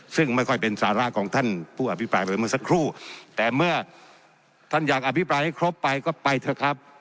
ซึ่งไม่ค่อยเป็นสาระของท่านผู้อภิปรายไปเมื่อสักครู่แต่เมื่อท่านอยากอภิปรายให้ครบไปก็ไปเถอะครับ